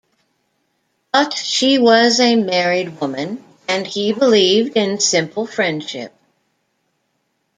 But she was a married woman, and he believed in simple friendship.